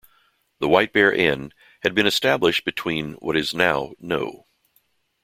The White Bear Inn had been established between what is now No.